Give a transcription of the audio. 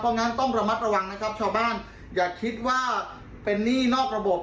เพราะงั้นต้องระมัดระวังนะครับชาวบ้านอย่าคิดว่าเป็นหนี้นอกระบบ